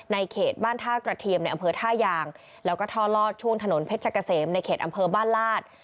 เขตบ้านท่ากระเทียมในอำเภอท่ายางแล้วก็ท่อลอดช่วงถนนเพชรเกษมในเขตอำเภอบ้านลาด